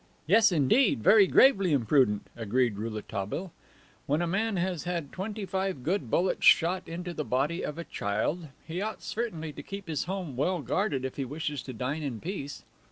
"Yes, indeed, very gravely imprudent," agreed Rouletabille. "When a man has had twenty five good bullets shot into the body of a child, he ought certainly to keep his home well guarded if he wishes to dine in peace."